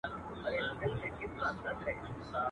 د زمري غوښي خوراک د ده شوتل وه.